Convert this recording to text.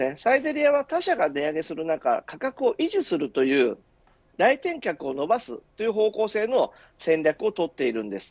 サイゼリヤは他社が値上げする中価格を維持するという来店客を伸ばすという方向性の戦略をとっています。